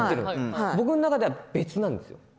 僕の中では別なんです。